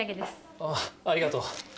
あぁありがとう。